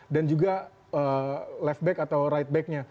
dan juga left back atau right backnya